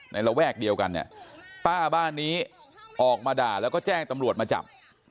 ระแวกเดียวกันเนี่ยป้าบ้านนี้ออกมาด่าแล้วก็แจ้งตำรวจมาจับ